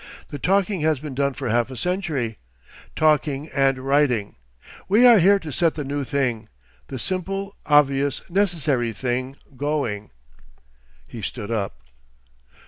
The talking has been done for half a century. Talking and writing. We are here to set the new thing, the simple, obvious, necessary thing, going.' He stood up.